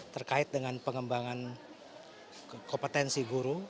terkait dengan pengembangan kompetensi guru